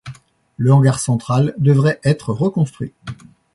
Le hangar central devrait être reconstruit.